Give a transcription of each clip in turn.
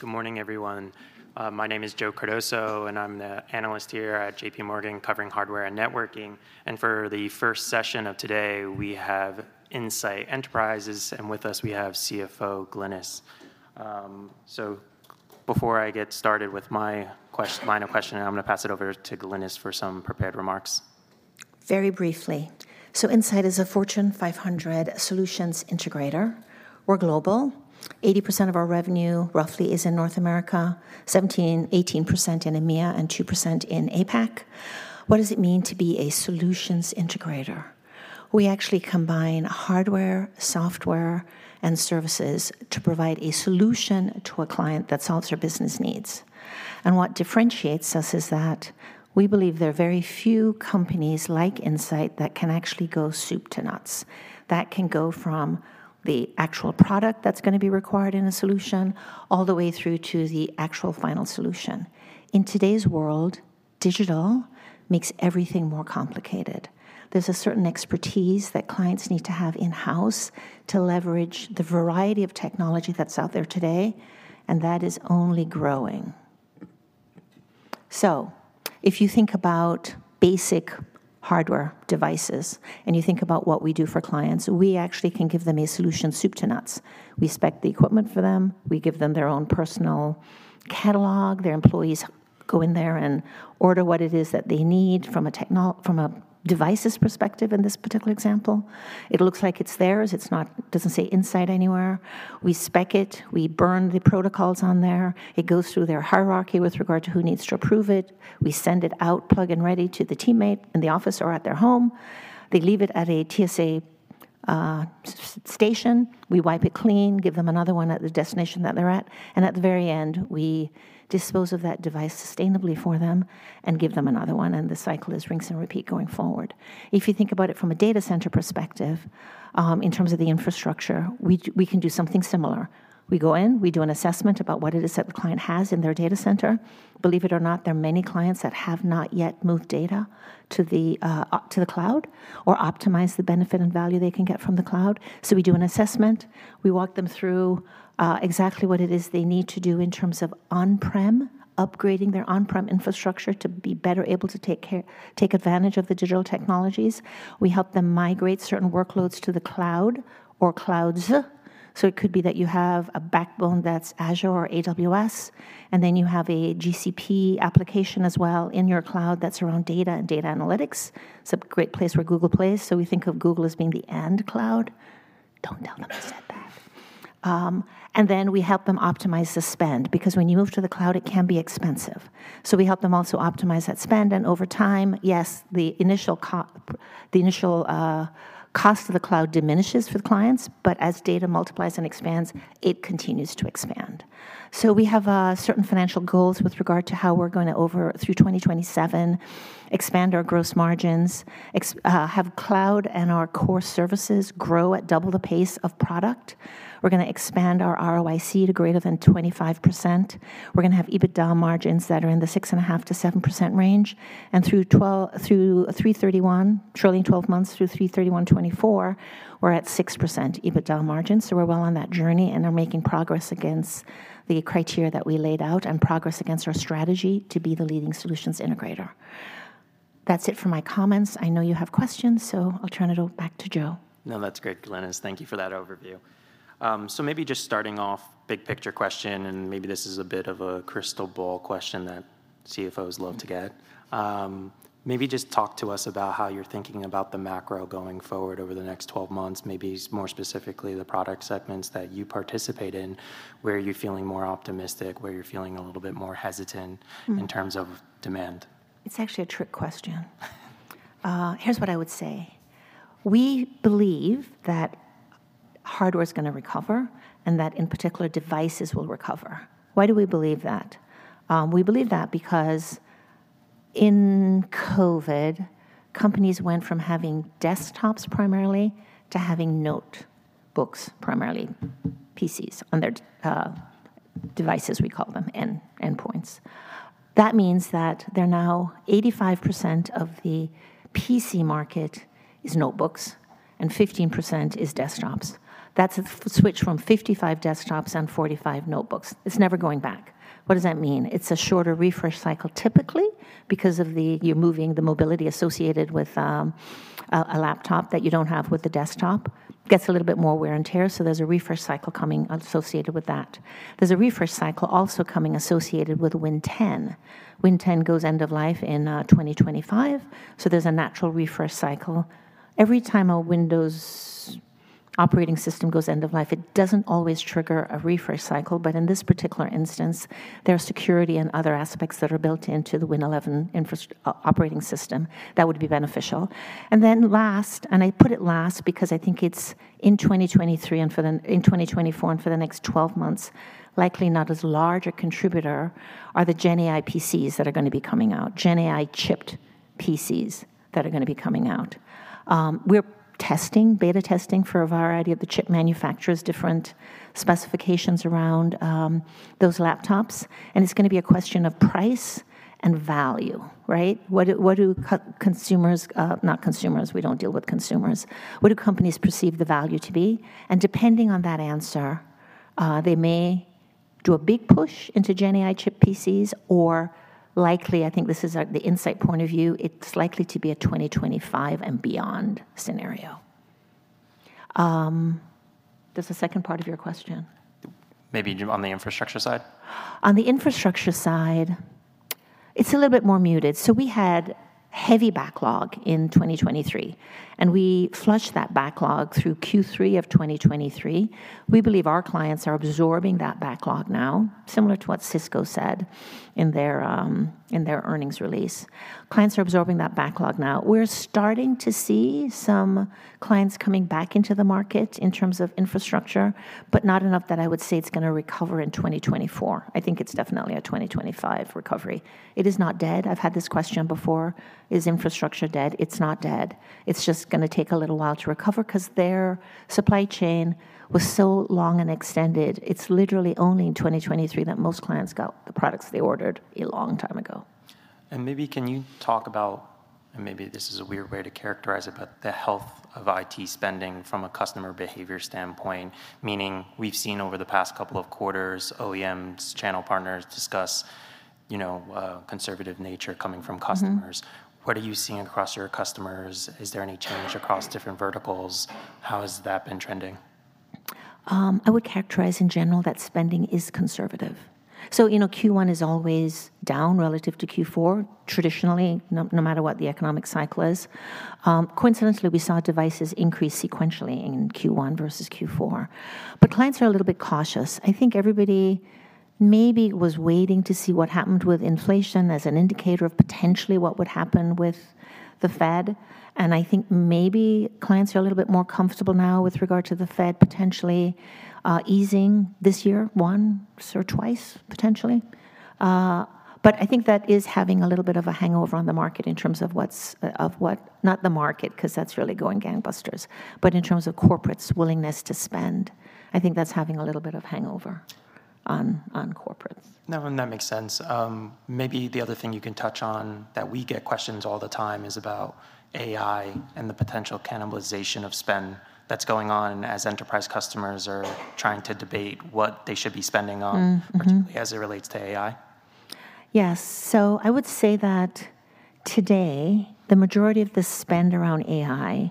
Good morning, everyone. My name is Joe Cardoso, and I'm the analyst here at JPMorgan, covering hardware and networking. For the first session of today, we have Insight Enterprises, and with us, we have CFO Glynis. So before I get started with my line of questioning, I'm gonna pass it over to Glynis for some prepared remarks. Very briefly. So Insight is a Fortune 500 solutions integrator. We're global. 80% of our revenue roughly is in North America, 17%-18% in EMEA, and 2% in APAC. What does it mean to be a solutions integrator? We actually combine hardware, software, and services to provide a solution to a client that solves their business needs. And what differentiates us is that we believe there are very few companies like Insight that can actually go soup to nuts, that can go from the actual product that's gonna be required in a solution, all the way through to the actual final solution. In today's world, digital makes everything more complicated. There's a certain expertise that clients need to have in-house to leverage the variety of technology that's out there today, and that is only growing. So if you think about basic hardware devices, and you think about what we do for clients, we actually can give them a solution, soup to nuts. We spec the equipment for them, we give them their own personal catalog. Their employees go in there and order what it is that they need from a devices perspective, in this particular example. It looks like it's theirs. It doesn't say Insight anywhere. We spec it, we burn the protocols on there. It goes through their hierarchy with regard to who needs to approve it. We send it out, plug and ready, to the teammate in the office or at their home. They leave it at a TSA station. We wipe it clean, give them another one at the destination that they're at, and at the very end, we dispose of that device sustainably for them and give them another one, and the cycle is rinse and repeat going forward. If you think about it from a data center perspective, in terms of the infrastructure, we can do something similar. We go in, we do an assessment about what it is that the client has in their data center. Believe it or not, there are many clients that have not yet moved data to the cloud or optimized the benefit and value they can get from the cloud. So we do an assessment. We walk them through exactly what it is they need to do in terms of on-prem, upgrading their on-prem infrastructure to be better able to take advantage of the digital technologies. We help them migrate certain workloads to the cloud or clouds. So it could be that you have a backbone that's Azure or AWS, and then you have a GCP application as well in your cloud that's around data and data analytics. It's a great place where Google plays, so we think of Google as being the and cloud. Don't tell them I said that! And then we help them optimize the spend, because when you move to the cloud, it can be expensive. So we help them also optimize that spend, and over time, yes, the initial cost of the cloud diminishes for the clients, but as data multiplies and expands, it continues to expand. So we have certain financial goals with regard to how we're gonna, over through 2027, expand our gross margins, have cloud and our core services grow at double the pace of product. We're gonna expand our ROIC to greater than 25%. We're gonna have EBITDA margins that are in the 6.5%-7% range, and through three thirty-one, trailing twelve months through 3/31/2024, we're at 6% EBITDA margins. So we're well on that journey and are making progress against the criteria that we laid out and progress against our strategy to be the leading solutions integrator. That's it for my comments. I know you have questions, so I'll turn it back to Joe. No, that's great, Glynis. Thank you for that overview. So maybe just starting off, big picture question, and maybe this is a bit of a crystal ball question that CFOs love to get. Maybe just talk to us about how you're thinking about the macro going forward over the next 12 months, maybe more specifically, the product segments that you participate in. Where are you feeling more optimistic, where you're feeling a little bit more hesitant? Mm-hmm. in terms of demand? It's actually a trick question. Here's what I would say: We believe that hardware is gonna recover and that, in particular, devices will recover. Why do we believe that? We believe that because in COVID, companies went from having desktops primarily to having notebooks, primarily PCs on their devices, we call them, endpoints. That means that they're now 85% of the PC market is notebooks and 15% is desktops. That's a switch from 55 desktops and 45 notebooks. It's never going back. What does that mean? It's a shorter refresh cycle typically, because of the... you're moving the mobility associated with, a laptop that you don't have with the desktop. Gets a little bit more wear and tear, so there's a refresh cycle coming associated with that. There's a refresh cycle also coming associated with Win10. Win10 goes end of life in 2025, so there's a natural refresh cycle. Every time a Windows operating system goes end of life, it doesn't always trigger a refresh cycle, but in this particular instance, there are security and other aspects that are built into the Win11 operating system that would be beneficial. And then last, and I put it last because I think it's in 2023 and for the in 2024 and for the next 12 months, likely not as large a contributor, are the GenAI PCs that are gonna be coming out, GenAI-chipped PCs that are gonna be coming out. We're testing, beta testing for a variety of the chip manufacturers, different specifications around those laptops, and it's gonna be a question of price and value, right? What do consumers, not consumers, we don't deal with consumers. What do companies perceive the value to be? And depending on that answer, they may do a big push into GenAI chip PCs, or likely, I think this is, like, the Insight point of view, it's likely to be a 2025 and beyond scenario. There's a second part of your question? Maybe on the infrastructure side. On the infrastructure side, it's a little bit more muted. So we had heavy backlog in 2023, and we flushed that backlog through Q3 of 2023. We believe our clients are absorbing that backlog now, similar to what Cisco said in their, in their earnings release. Clients are absorbing that backlog now. We're starting to see some clients coming back into the market in terms of infrastructure, but not enough that I would say it's gonna recover in 2024. I think it's definitely a 2025 recovery. It is not dead. I've had this question before: Is infrastructure dead? It's not dead. It's just gonna take a little while to recover 'cause their supply chain was so long and extended. It's literally only in 2023 that most clients got the products they ordered a long time ago. And maybe can you talk about, and maybe this is a weird way to characterize it, but the health of IT spending from a customer behavior standpoint, meaning we've seen over the past couple of quarters, OEMs, channel partners discuss, you know, conservative nature coming from customers. Mm-hmm. What are you seeing across your customers? Is there any change across different verticals? How has that been trending? I would characterize in general that spending is conservative. So, you know, Q1 is always down relative to Q4, traditionally, no matter what the economic cycle is. Coincidentally, we saw devices increase sequentially in Q1 versus Q4. But clients are a little bit cautious. I think everybody maybe was waiting to see what happened with inflation as an indicator of potentially what would happen with the Fed, and I think maybe clients are a little bit more comfortable now with regard to the Fed potentially easing this year, once or twice, potentially. But I think that is having a little bit of a hangover on the market in terms of what's not the market, 'cause that's really going gangbusters, but in terms of corporates' willingness to spend, I think that's having a little bit of hangover on corporates. No, and that makes sense. Maybe the other thing you can touch on, that we get questions all the time, is about AI and the potential cannibalization of spend that's going on as enterprise customers are trying to debate what they should be spending on- Mm. Mm-hmm... particularly as it relates to AI. Yes. So I would say that today, the majority of the spend around AI is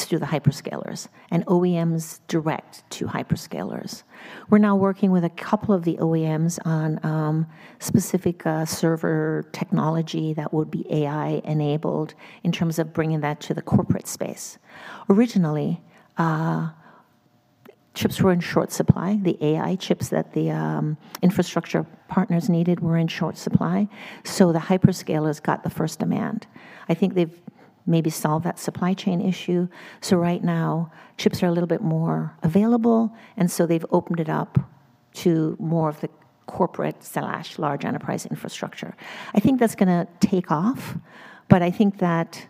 through the hyperscalers and OEMs direct to hyperscalers. We're now working with a couple of the OEMs on specific server technology that would be AI-enabled in terms of bringing that to the corporate space. Originally, chips were in short supply. The AI chips that the infrastructure partners needed were in short supply, so the hyperscalers got the first demand. I think they've maybe solved that supply chain issue, so right now, chips are a little bit more available, and so they've opened it up to more of the corporate/large enterprise infrastructure. I think that's gonna take off, but I think that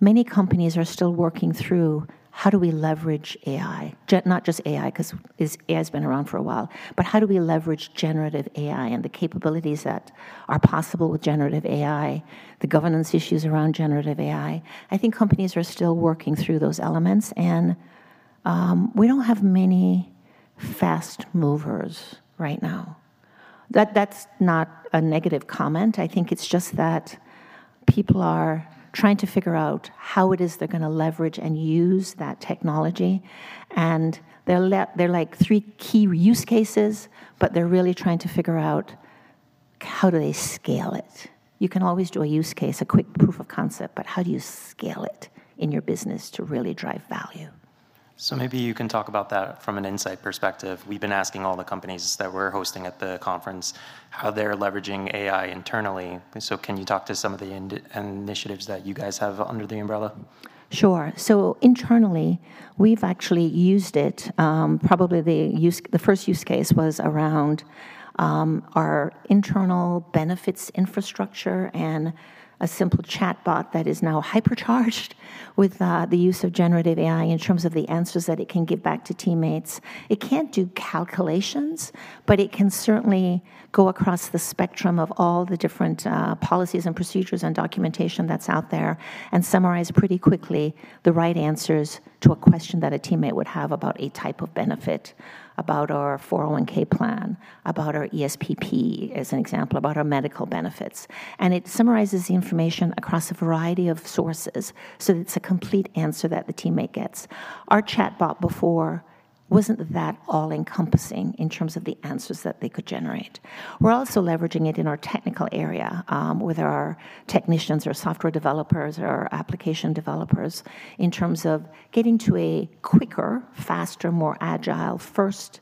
many companies are still working through: How do we leverage AI? Not just AI, 'cause it's AI's been around for a while, but how do we leverage generative AI and the capabilities that are possible with generative AI, the governance issues around generative AI? I think companies are still working through those elements, and we don't have many fast movers right now. That, that's not a negative comment. I think it's just that people are trying to figure out how it is they're gonna leverage and use that technology, and there are, like, three key use cases, but they're really trying to figure out, how do they scale it? You can always do a use case, a quick proof of concept, but how do you scale it in your business to really drive value? So maybe you can talk about that from an Insight perspective. We've been asking all the companies that we're hosting at the conference how they're leveraging AI internally, and so can you talk to some of the internal initiatives that you guys have under the umbrella? Sure. So internally, we've actually used it, probably the first use case was around our internal benefits infrastructure and a simple chatbot that is now hypercharged with the use of generative AI in terms of the answers that it can give back to teammates. It can't do calculations, but it can certainly go across the spectrum of all the different policies, and procedures, and documentation that's out there and summarize pretty quickly the right answers to a question that a teammate would have about a type of benefit, about our 401(k) plan, about our ESPP, as an example, about our medical benefits, and it summarizes the information across a variety of sources, so it's a complete answer that the teammate gets. Our chatbot before wasn't that all-encompassing in terms of the answers that they could generate. We're also leveraging it in our technical area with our technicians, or software developers, or our application developers, in terms of getting to a quicker, faster, more agile first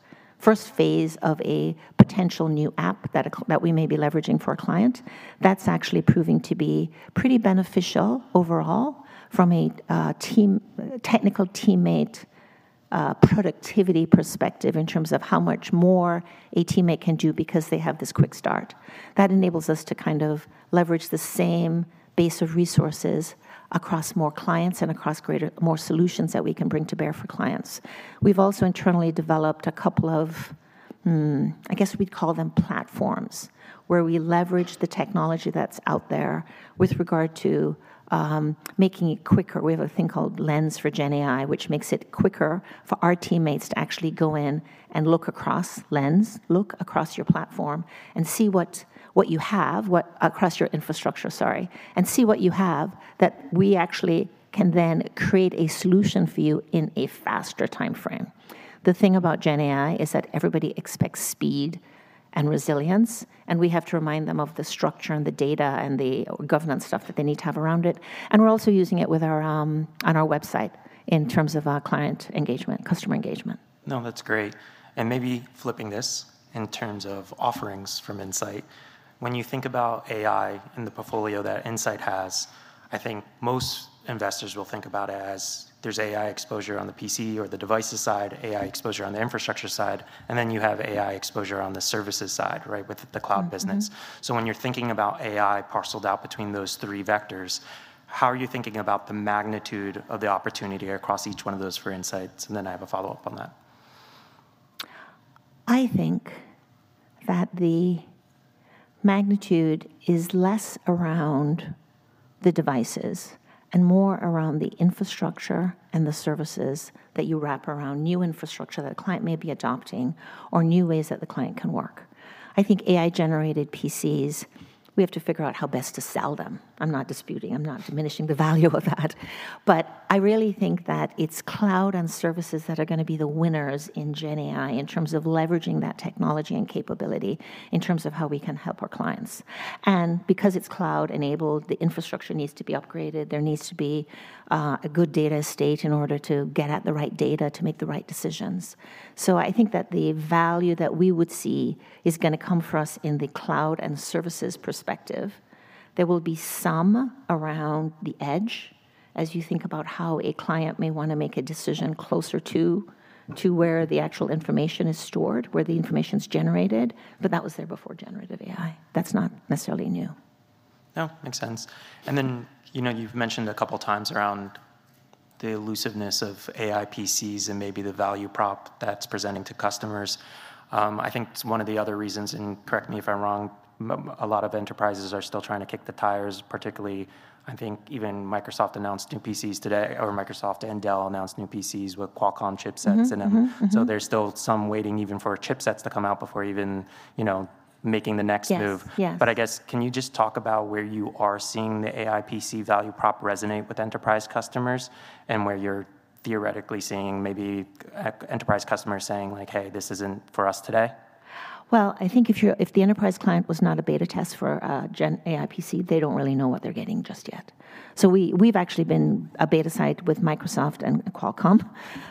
phase of a potential new app that we may be leveraging for a client. That's actually proving to be pretty beneficial overall from a team, a technical teammate productivity perspective in terms of how much more a teammate can do because they have this quick start. That enables us to kind of leverage the same base of resources across more clients and across greater, more solutions that we can bring to bear for clients. We've also internally developed a couple of I guess we'd call them platforms, where we leverage the technology that's out there with regard to making it quicker. We have a thing called Lens for GenAI, which makes it quicker for our teammates to actually go in and look across Lens, look across your platform, and see what you have across your infrastructure, sorry, and see what you have that we actually can then create a solution for you in a faster timeframe. The thing about GenAI is that everybody expects speed and resilience, and we have to remind them of the structure and the data and the governance stuff that they need to have around it. We're also using it with our on our website in terms of our client engagement, customer engagement. No, that's great. And maybe flipping this in terms of offerings from Insight, when you think about AI and the portfolio that Insight has, I think most investors will think about it as, there's AI exposure on the PC or the devices side, AI exposure on the infrastructure side, and then you have AI exposure on the services side, right? Mm-hmm... with the cloud business. So when you're thinking about AI parceled out between those three vectors, how are you thinking about the magnitude of the opportunity across each one of those for Insight? And then I have a follow-up on that. I think that the magnitude is less around the devices and more around the infrastructure and the services that you wrap around new infrastructure that a client may be adopting or new ways that the client can work. I think AI-generated PCs, we have to figure out how best to sell them. I'm not disputing, I'm not diminishing the value of that, but I really think that it's cloud and services that are gonna be the winners in GenAI, in terms of leveraging that technology and capability, in terms of how we can help our clients. And because it's cloud-enabled, the infrastructure needs to be upgraded. There needs to be a good data state in order to get at the right data to make the right decisions. So I think that the value that we would see is gonna come for us in the cloud and services perspective. There will be some around the edge, as you think about how a client may wanna make a decision closer to, to where the actual information is stored, where the information's generated, but that was there before generative AI. That's not necessarily new. No, makes sense. And then, you know, you've mentioned a couple times around the elusiveness of AI PCs and maybe the value prop that's presenting to customers. I think one of the other reasons, and correct me if I'm wrong, a lot of enterprises are still trying to kick the tires, particularly, I think even Microsoft announced new PCs today, or Microsoft and Dell announced new PCs with Qualcomm chipsets in them. Mm-hmm. Mm-hmm. There's still some waiting even for chipsets to come out before even, you know, making the next move. Yes, yes. But I guess, can you just talk about where you are seeing the AI PC value prop resonate with enterprise customers, and where you're theoretically seeing maybe enterprise customers saying like: "Hey, this isn't for us today? Well, I think if the enterprise client was not a beta test for GenAI PC, they don't really know what they're getting just yet. So we've actually been a beta site with Microsoft and Qualcomm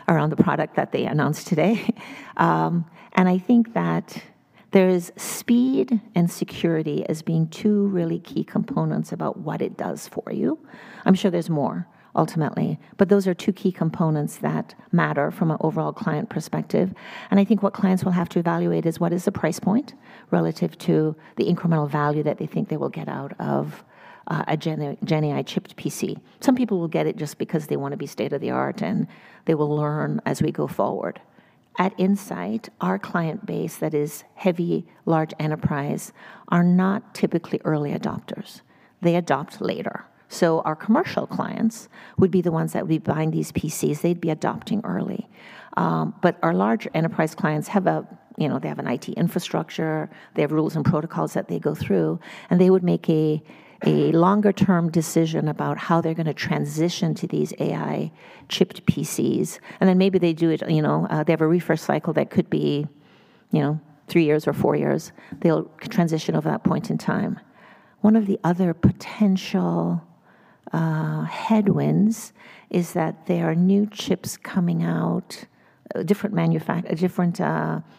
around the product that they announced today. And I think that there's speed and security as being two really key components about what it does for you. I'm sure there's more, ultimately, but those are two key components that matter from an overall client perspective. And I think what clients will have to evaluate is, what is the price point relative to the incremental value that they think they will get out of a GenAI-chipped PC? Some people will get it just because they wanna be state-of-the-art, and they will learn as we go forward. At Insight, our client base, that is heavy, large enterprise, are not typically early adopters. They adopt later. So our commercial clients would be the ones that would be buying these PCs, they'd be adopting early. But our large enterprise clients have a, you know, they have an IT infrastructure, they have rules and protocols that they go through, and they would make a, a longer-term decision about how they're gonna transition to these AI-chipped PCs. And then maybe they do it, you know, they have a refresh cycle that could be, you know, three years or four years. They'll transition over that point in time. One of the other potential headwinds is that there are new chips coming out. Different different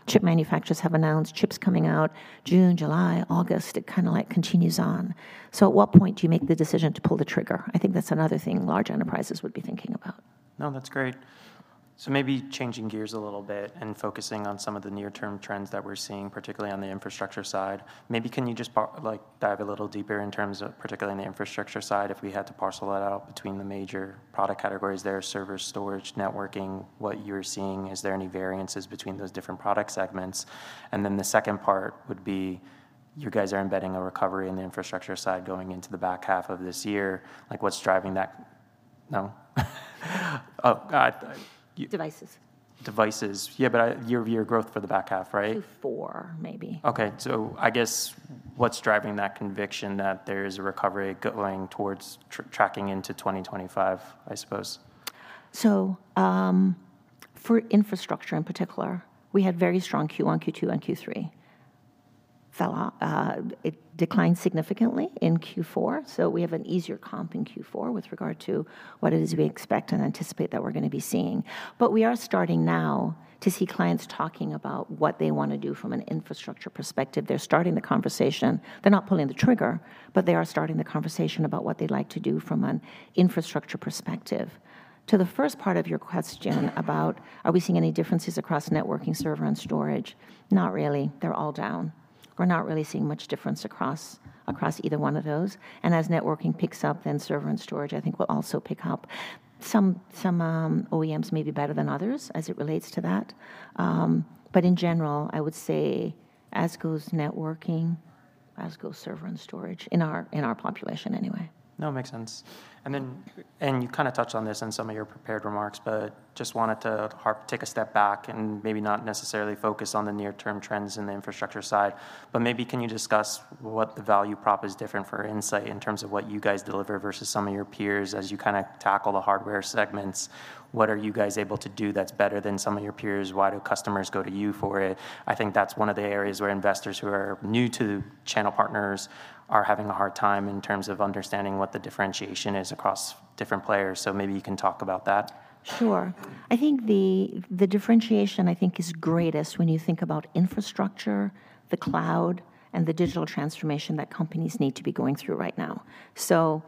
chip manufacturers have announced chips coming out June, July, August. It kinda like continues on. At what point do you make the decision to pull the trigger? I think that's another thing large enterprises would be thinking about. No, that's great. So maybe changing gears a little bit and focusing on some of the near-term trends that we're seeing, particularly on the infrastructure side. Maybe can you just like, dive a little deeper in terms of, particularly in the infrastructure side, if we had to parcel that out between the major product categories there, server, storage, networking, what you're seeing, is there any variances between those different product segments? And then the second part would be, you guys are embedding a recovery in the infrastructure side going into the back half of this year. Like, what's driving that... Devices. Devices. Yeah, but your growth for the back half, right? Q4, maybe. Okay, so I guess, what's driving that conviction that there is a recovery going towards tracking into 2025, I suppose? So, for infrastructure in particular, we had very strong Q1, Q2, and Q3. It declined significantly in Q4, so we have an easier comp in Q4 with regard to what it is we expect and anticipate that we're gonna be seeing. But we are starting now to see clients talking about what they wanna do from an infrastructure perspective. They're starting the conversation. They're not pulling the trigger, but they are starting the conversation about what they'd like to do from an infrastructure perspective. To the first part of your question about, are we seeing any differences across networking, server, and storage? Not really. They're all down. We're not really seeing much difference across either one of those. And as networking picks up, then server and storage, I think, will also pick up. Some OEMs may be better than others as it relates to that. But in general, I would say as goes networking, as goes server and storage, in our population anyway. No, it makes sense. And then, and you kind of touched on this in some of your prepared remarks, but just wanted to take a step back and maybe not necessarily focus on the near-term trends in the infrastructure side. But maybe can you discuss what the value prop is different for Insight in terms of what you guys deliver versus some of your peers as you kind of tackle the hardware segments? What are you guys able to do that's better than some of your peers? Why do customers go to you for it? I think that's one of the areas where investors who are new to channel partners are having a hard time in terms of understanding what the differentiation is across different players. So maybe you can talk about that. Sure. I think the differentiation, I think, is greatest when you think about infrastructure, the cloud, and the digital transformation that companies need to be going through right now. So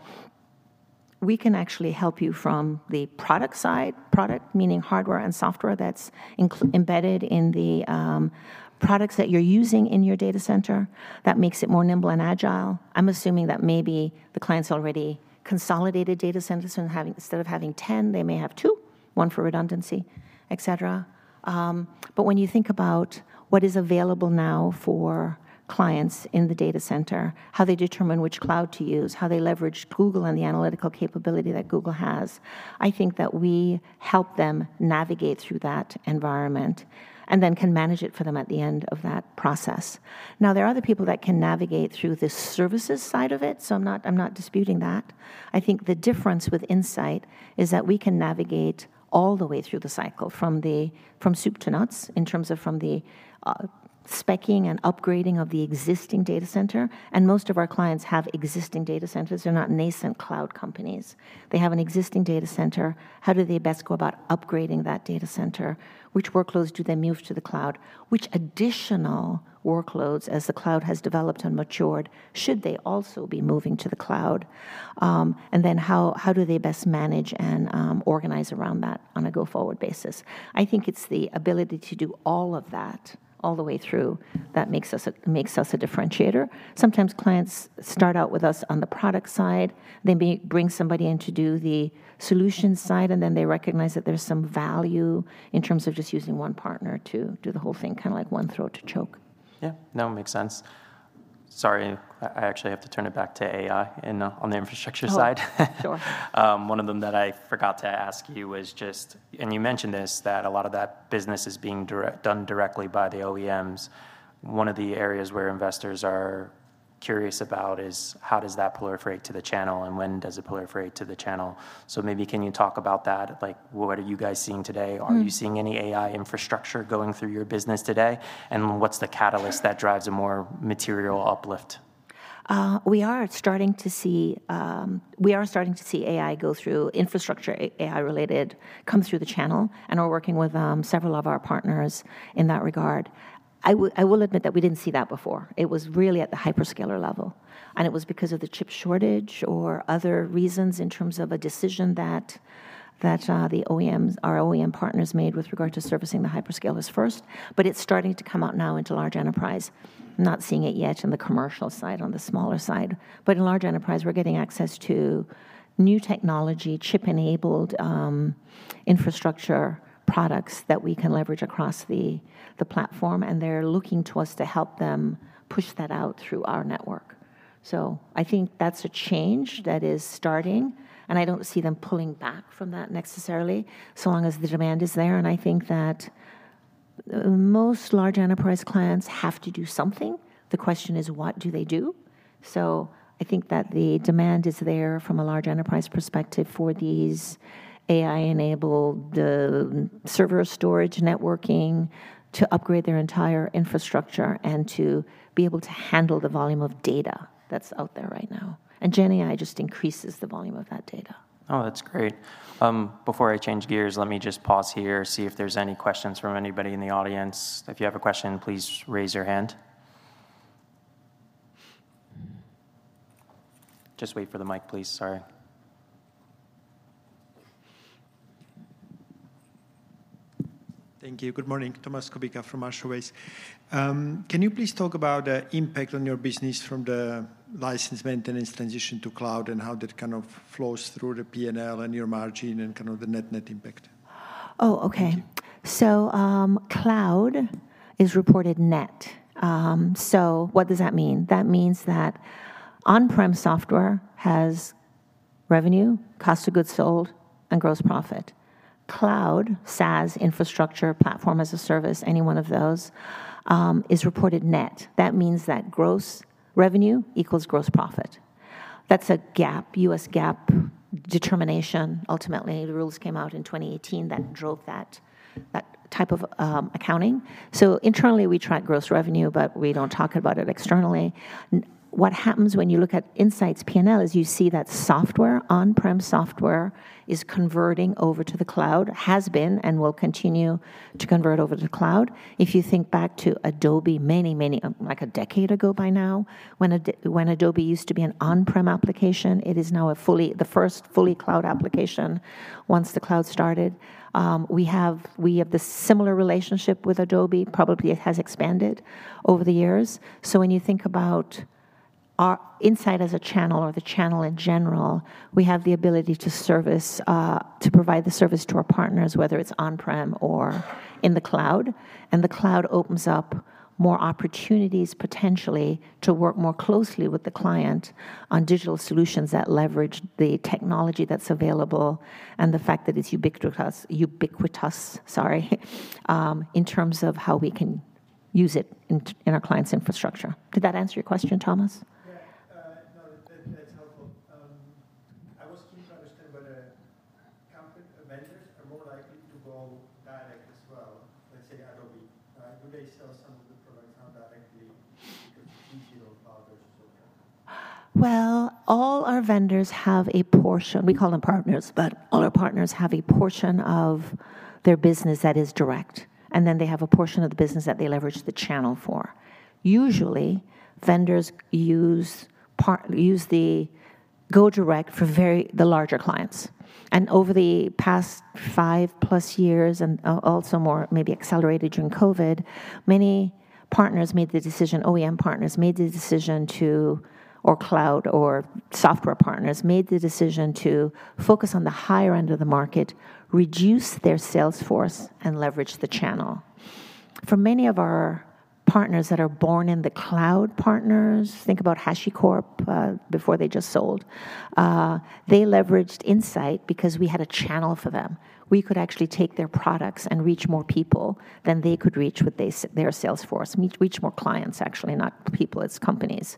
we can actually help you from the product side, product meaning hardware and software that's embedded in the products that you're using in your data center that makes it more nimble and agile. I'm assuming that maybe the client's already consolidated data centers, and instead of having 10, they may have two, one for redundancy, et cetera. But when you think about what is available now for clients in the data center, how they determine which cloud to use, how they leverage Google and the analytical capability that Google has, I think that we help them navigate through that environment, and then can manage it for them at the end of that process. Now, there are other people that can navigate through the services side of it, so I'm not, I'm not disputing that. I think the difference with Insight is that we can navigate all the way through the cycle, from soup to nuts, in terms of from the speccing and upgrading of the existing data center. Most of our clients have existing data centers. They're not nascent cloud companies. They have an existing data center. How do they best go about upgrading that data center? Which workloads do they move to the cloud? Which additional workloads, as the cloud has developed and matured, should they also be moving to the cloud? And then how do they best manage and organize around that on a go-forward basis? I think it's the ability to do all of that, all the way through, that makes us a, makes us a differentiator. Sometimes clients start out with us on the product side, then they bring somebody in to do the solution side, and then they recognize that there's some value in terms of just using one partner to do the whole thing, kind of like one throat to choke. Yeah. No, it makes sense. Sorry, I actually have to turn it back to AI in the- on the infrastructure side. Sure. One of them that I forgot to ask you was just... And you mentioned this, that a lot of that business is being done directly by the OEMs. One of the areas where investors are curious about is: how does that proliferate to the channel, and when does it proliferate to the channel? So maybe, can you talk about that? Like, what are you guys seeing today? Mm. Are you seeing any AI infrastructure going through your business today? What's the catalyst that drives a more material uplift? We are starting to see AI go through infrastructure, AI-related, come through the channel, and we're working with several of our partners in that regard. I will admit that we didn't see that before. It was really at the hyperscaler level, and it was because of the chip shortage or other reasons in terms of a decision that the OEMs, our OEM partners, made with regard to servicing the hyperscalers first. But it's starting to come out now into large enterprise. Not seeing it yet on the commercial side, on the smaller side, but in large enterprise, we're getting access to new technology, chip-enabled infrastructure products that we can leverage across the platform, and they're looking to us to help them push that out through our network. So I think that's a change that is starting, and I don't see them pulling back from that necessarily, so long as the demand is there. And I think that most large enterprise clients have to do something. The question is: What do they do? So I think that the demand is there from a large enterprise perspective for these AI-enabled server storage networking to upgrade their entire infrastructure and to be able to handle the volume of data that's out there right now. And GenAI just increases the volume of that data. Oh, that's great. Before I change gears, let me just pause here, see if there's any questions from anybody in the audience. If you have a question, please raise your hand. Just wait for the mic, please. Sorry. Thank you. Good morning. Tomas Kubica from Marshall Wace. Can you please talk about the impact on your business from the license maintenance transition to cloud, and how that kind of flows through the PNL and your margin and kind of the net, net impact? Oh, okay. So, cloud is reported net. So what does that mean? That means that on-prem software has revenue, cost of goods sold, and gross profit. Cloud, SaaS, infrastructure, platform as a service, any one of those, is reported net. That means that gross revenue equals gross profit. That's a GAAP, U.S. GAAP determination. Ultimately, the rules came out in 2018 that drove that, that type of, accounting. So internally, we track gross revenue, but we don't talk about it externally. What happens when you look at Insight's PNL is you see that software, on-prem software, is converting over to the cloud, has been, and will continue to convert over to the cloud. If you think back to Adobe many, many, like a decade ago by now, when Adobe used to be an on-prem application, it is now a fully the first fully cloud application once the cloud started. We have this similar relationship with Adobe. Probably, it has expanded over the years. So when you think about our Insight as a channel or the channel in general, we have the ability to service to provide the service to our partners, whether it's on-prem or in the cloud. And the cloud opens up more opportunities, potentially, to work more closely with the client on digital solutions that leverage the technology that's available, and the fact that it's ubiquitous, sorry, in terms of how we can use it in our clients' infrastructure. Did that answer your question, Thomas? Yeah. No, that, that's helpful. I was keen to understand whether company vendors are more likely to go direct as well, let's say, Adobe, do they sell some of the products out directly, because easier or others so that- Well, all our vendors have a portion. We call them partners, but all our partners have a portion of their business that is direct, and then they have a portion of the business that they leverage the channel for. Usually, vendors use to go direct for the larger clients. And over the past 5+ years, and also more maybe accelerated during COVID, many partners made the decision, OEM partners made the decision to, or cloud, or software partners, made the decision to focus on the higher end of the market, reduce their sales force, and leverage the channel. For many of our partners that are born in the cloud partners, think about HashiCorp, before they just sold, they leveraged Insight because we had a channel for them. We could actually take their products and reach more people than they could reach with their sales force. Reach more clients, actually, not people, it's companies,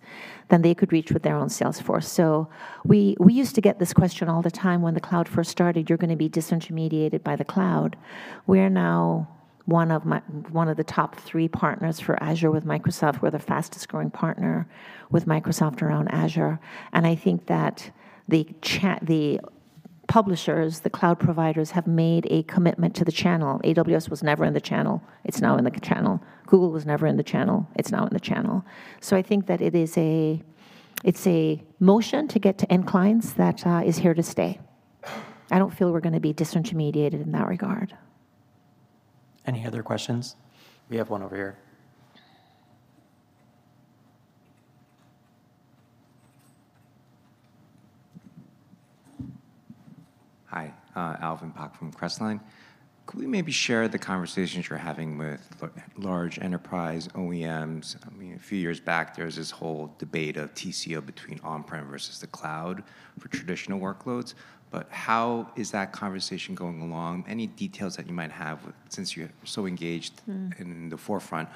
than they could reach with their own sales force. So we, we used to get this question all the time when the cloud first started: "You're gonna be disintermediated by the cloud." We are now one of the top three partners for Azure with Microsoft. We're the fastest growing partner with Microsoft around Azure, and I think that the publishers, the cloud providers, have made a commitment to the channel. AWS was never in the channel, it's now in the channel. Google was never in the channel, it's now in the channel. So I think that it is a, it's a motion to get to end clients that is here to stay. I don't feel we're gonna be disintermediated in that regard. Any other questions? We have one over here. Hi, Alvin Pak from Crestline. Could we maybe share the conversations you're having with large enterprise OEMs? I mean, a few years back, there was this whole debate of TCO between on-premise versus the cloud for traditional workloads, but how is that conversation going along? Any details that you might have, since you're so engaged- Mm... in the forefront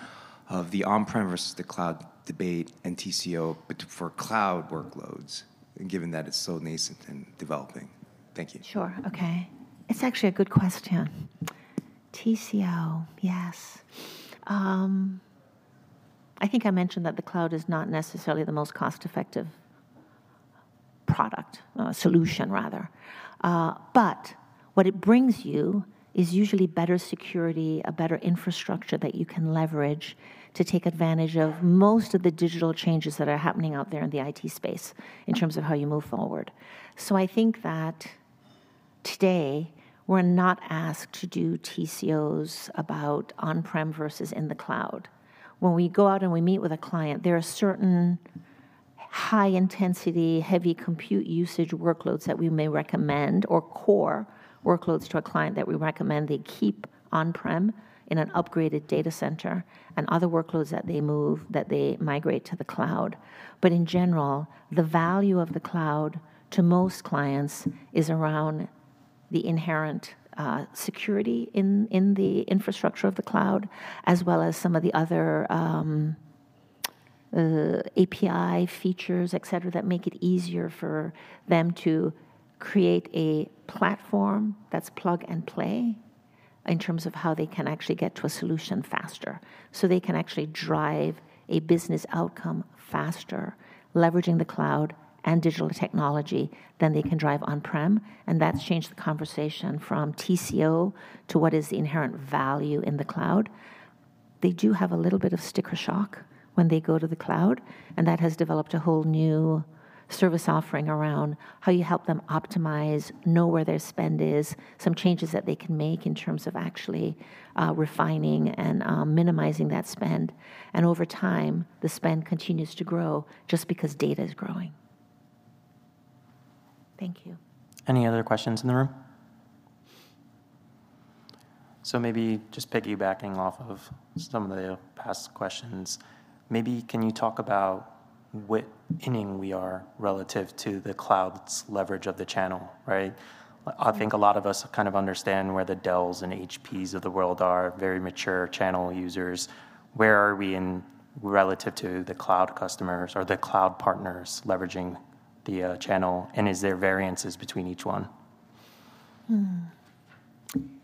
of the on-premise versus the cloud debate and TCO, but for cloud workloads, given that it's so nascent and developing? Thank you. Sure. Okay. It's actually a good question. TCO, yes. I think I mentioned that the cloud is not necessarily the most cost-effective product, solution, rather. But what it brings you is usually better security, a better infrastructure that you can leverage to take advantage of most of the digital changes that are happening out there in the IT space, in terms of how you move forward. So I think that today, we're not asked to do TCOs about on-prem versus in the cloud. When we go out and we meet with a client, there are certain high intensity, heavy compute usage workloads that we may recommend, or core workloads to a client that we recommend they keep on-prem in an upgraded data center, and other workloads that they move, that they migrate to the cloud. But in general, the value of the cloud to most clients is around the inherent security in the infrastructure of the cloud, as well as some of the other API features, et cetera, that make it easier for them to create a platform that's plug and play, in terms of how they can actually get to a solution faster. So they can actually drive a business outcome faster, leveraging the cloud and digital technology, than they can drive on-prem, and that's changed the conversation from TCO to what is the inherent value in the cloud. They do have a little bit of sticker shock when they go to the cloud, and that has developed a whole new service offering around how you help them optimize, know where their spend is, some changes that they can make in terms of actually refining and minimizing that spend. Over time, the spend continues to grow just because data is growing. Thank you. Any other questions in the room? So maybe just piggybacking off of some of the past questions, maybe can you talk about what inning we are relative to the cloud's leverage of the channel, right? Mm. I think a lot of us kind of understand where the Dells and HPs of the world are, very mature channel users. Where are we in relative to the cloud customers or the cloud partners leveraging the channel, and is there variances between each one?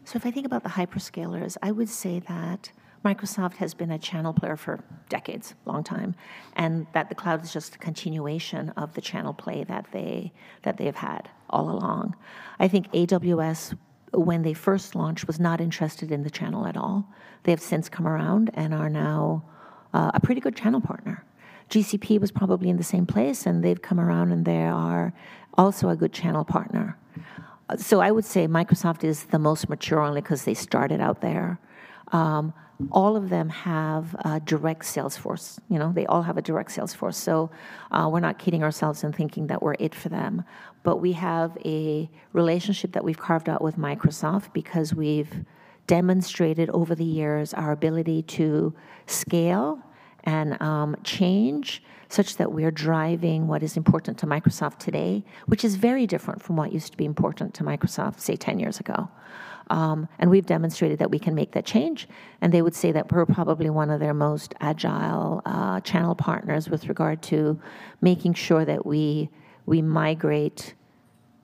So if I think about the hyperscalers, I would say that Microsoft has been a channel player for decades, long time, and that the cloud is just a continuation of the channel play that they, that they have had all along. I think AWS, when they first launched, was not interested in the channel at all. They have since come around and are now a pretty good channel partner. GCP was probably in the same place, and they've come around, and they are also a good channel partner. So I would say Microsoft is the most mature only 'cause they started out there. All of them have a direct sales force. You know, they all have a direct sales force. So, we're not kidding ourselves and thinking that we're it for them. But we have a relationship that we've carved out with Microsoft because we've demonstrated over the years our ability to scale and change, such that we're driving what is important to Microsoft today, which is very different from what used to be important to Microsoft, say, 10 years ago. And we've demonstrated that we can make that change, and they would say that we're probably one of their most agile channel partners with regard to making sure that we migrate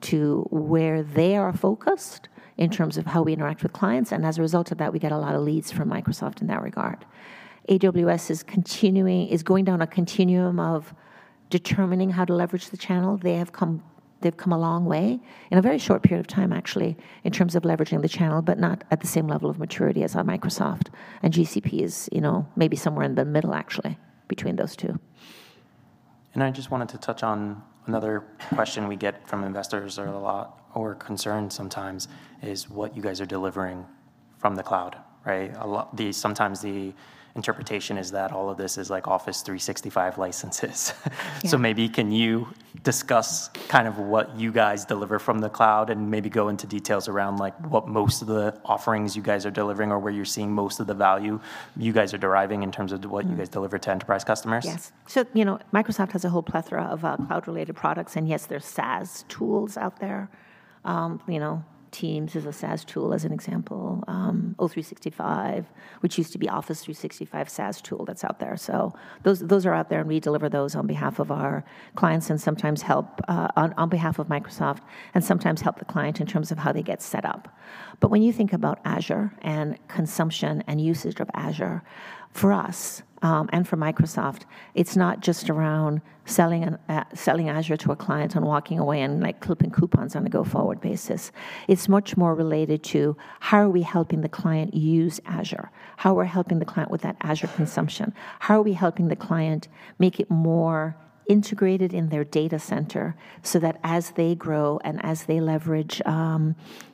to where they are focused in terms of how we interact with clients, and as a result of that, we get a lot of leads from Microsoft in that regard. AWS is going down a continuum of determining how to leverage the channel. They've come a long way, in a very short period of time, actually, in terms of leveraging the channel, but not at the same level of maturity as Microsoft. GCP is, you know, maybe somewhere in the middle, actually, between those two. I just wanted to touch on another question we get from investors a lot, or concern sometimes, is what you guys are delivering from the cloud, right? Sometimes the interpretation is that all of this is, like, Office 365 licenses. Maybe can you discuss kind of what you guys deliver from the cloud, and maybe go into details around, like, what most of the offerings you guys are delivering or where you're seeing most of the value you guys are deriving in terms of d- Mm. What you guys deliver to enterprise customers? Yes. So, you know, Microsoft has a whole plethora of cloud-related products, and yes, there's SaaS tools out there. You know, Teams is a SaaS tool, as an example, O 365, which used to be Office 365 SaaS tool that's out there. So those, those are out there, and we deliver those on behalf of our clients and sometimes help, on, on behalf of Microsoft, and sometimes help the client in terms of how they get set up. But when you think about Azure and consumption and usage of Azure, for us, and for Microsoft, it's not just around selling, selling Azure to a client and walking away and, like, clipping coupons on a go-forward basis. It's much more related to how are we helping the client use Azure? How we're helping the client with that Azure consumption. How are we helping the client make it more integrated in their data center, so that as they grow and as they leverage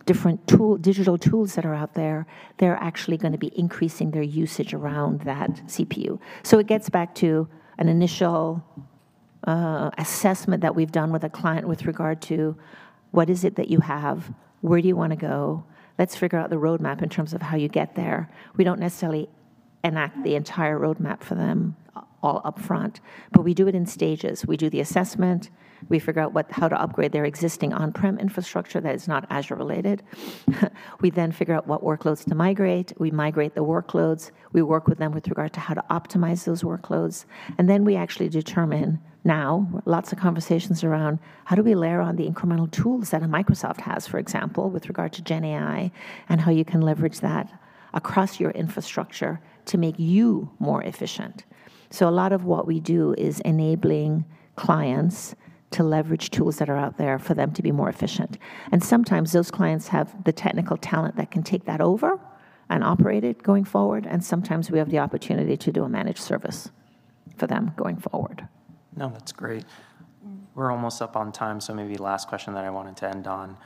different digital tools that are out there, they're actually gonna be increasing their usage around that CPU? So it gets back to an initial assessment that we've done with a client with regard to: What is it that you have? Where do you wanna go? Let's figure out the roadmap in terms of how you get there. We don't necessarily enact the entire roadmap for them all upfront, but we do it in stages. We do the assessment, we figure out what how to upgrade their existing on-prem infrastructure that is not Azure related. We then figure out what workloads to migrate. We migrate the workloads. We work with them with regard to how to optimize those workloads, and then we actually determine now, lots of conversations around: How do we layer on the incremental tools that a Microsoft has, for example, with regard to GenAI, and how you can leverage that across your infrastructure to make you more efficient? So a lot of what we do is enabling clients to leverage tools that are out there for them to be more efficient, and sometimes those clients have the technical talent that can take that over and operate it going forward, and sometimes we have the opportunity to do a managed service for them going forward. No, that's great. We're almost up on time, so maybe last question that I wanted to end on.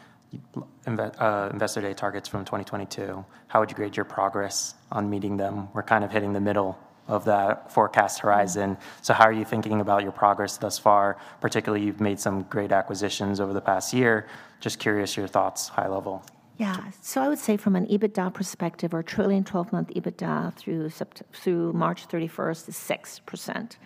Investor day targets from 2022, how would you grade your progress on meeting them? We're kind of hitting the middle of that forecast horizon. So how are you thinking about your progress thus far? Particularly, you've made some great acquisitions over the past year. Just curious your thoughts, high level. Yeah. So I would say from an EBITDA perspective or trailing 12-month EBITDA through September through March 31st is 6%.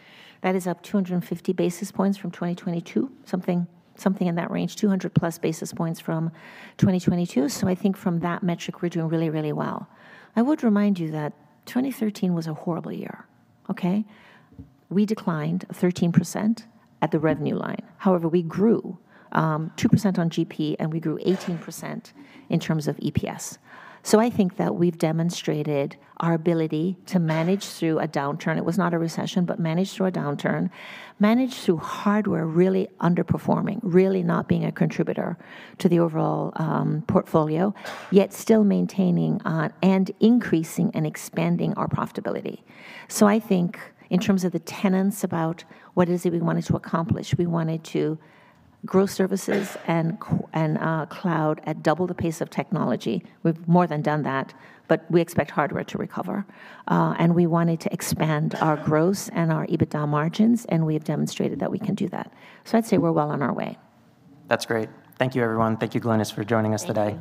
That is up 250 basis points from 2022, something, something in that range, 200+ basis points from 2022. So I think from that metric, we're doing really, really well. I would remind you that 2013 was a horrible year, okay? We declined 13% at the revenue line. However, we grew 2% on GP, and we grew 18% in terms of EPS. So I think that we've demonstrated our ability to manage through a downturn. It was not a recession, but managed through a downturn, managed through hardware really underperforming, really not being a contributor to the overall portfolio, yet still maintaining and increasing and expanding our profitability. So I think in terms of the tenets about what is it we wanted to accomplish, we wanted to grow services and cloud at double the pace of technology. We've more than done that, but we expect hardware to recover. And we wanted to expand our growth and our EBITDA margins, and we have demonstrated that we can do that. So I'd say we're well on our way. That's great. Thank you, everyone. Thank you, Glynis, for joining us today.